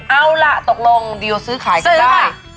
๑๕๐เอาละตกลงดีโอซื้อขายกันได้